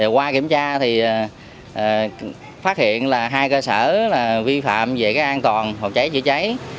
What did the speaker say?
qua kiểm tra thì phát hiện là hai cơ sở vi phạm về an toàn phòng cháy chữa cháy